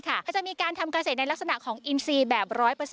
ก็จะมีการทำเกษตรในลักษณะของอินซีแบบ๑๐๐